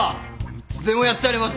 いつでもやってやりますよ。